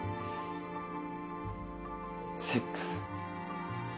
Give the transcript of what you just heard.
セックス。